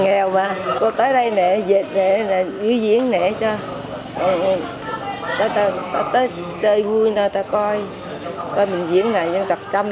nghèo mà cô tới đây nè nghỉ diễn nè cho tới đây vui người ta coi coi mình diễn là dân tộc trăm